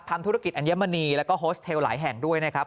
ทำธุรกิจอัญมณีแล้วก็โฮสเทลหลายแห่งด้วยนะครับ